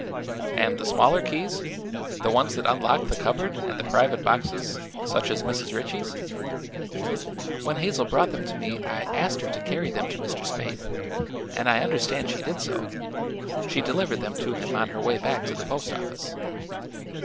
"And the smaller keys the ones that unlocked the cupboard and the private boxes, such as Mrs. Ritchie's?" "When Hazel brought them to me I asked her to carry them to Mr. Spaythe, and I understand she did so. She delivered them to him on her way back to the post office."